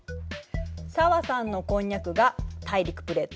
紗和さんのコンニャクが大陸プレート。